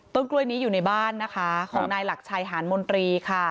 กล้วยนี้อยู่ในบ้านนะคะของนายหลักชัยหานมนตรีค่ะ